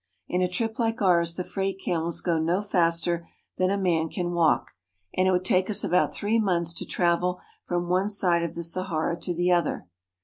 In a trip like ours the freight camels go no faster than a man can walk, and it would take us about three months to travel from one side of the Sahara to the other.